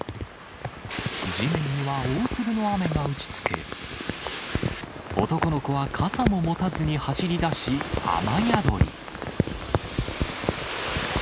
地面には大粒の雨が打ちつけ、男の子は傘も持たずに走りだし、雨宿り。